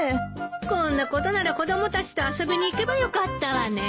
こんなことなら子供たちと遊びに行けばよかったわね。